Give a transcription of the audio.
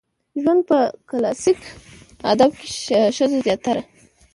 زموږ په کلاسيک ادب کې ښځه زياتره